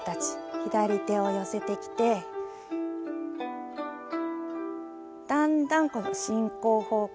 左手を寄せてきてだんだん進行方向